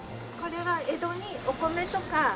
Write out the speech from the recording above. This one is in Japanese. これは江戸にお米とか。